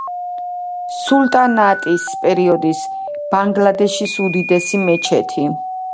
სულთანატის პერიოდის ბანგლადეშის უდიდესი მეჩეთი.